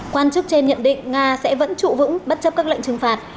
quan chức trên nhận định nga sẽ vẫn trụ vững bất chấp các lệnh trừng phạt